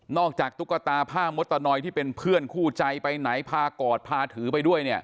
ตุ๊กตาผ้ามดตะนอยที่เป็นเพื่อนคู่ใจไปไหนพากอดพาถือไปด้วยเนี่ย